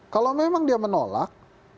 kalau memang dia menolak